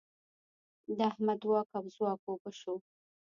د احمد واک او ځواک اوبه شو.